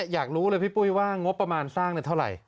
อยากรู้เลยพี่ปุ้ยว่างบประมาณสร้างเท่าไหร่